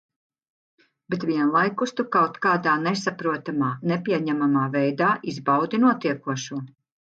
Bet vienlaikus tu kaut kādā nesaprotamā, nepieņemamā veidā izbaudi notiekošo.